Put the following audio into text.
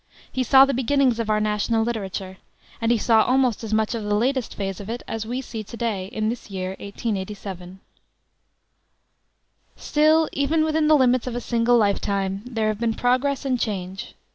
He saw the beginnings of our national literature, and he saw almost as much of the latest phase of it as we see to day in this year 1887. Still, even within the limits of a single life time, there have been progress and change.